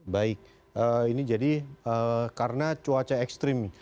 baik ini jadi karena cuaca ekstrim